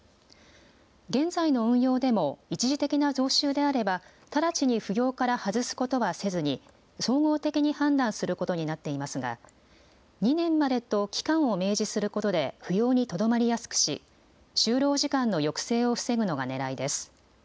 現在の運用でも一時的な増収であれば、直ちに扶養から外すことはせずに総合的に判断することになっていますが、２年までと期間を明示することで扶養にとどまりやすくし、就労時間の抑制を防ぐのがねらいです。